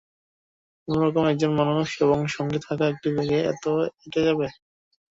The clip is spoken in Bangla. কোনো রকমে একজন মানুষ এবং সঙ্গে থাকা একটি ব্যাগে এতে এঁটে যাবে।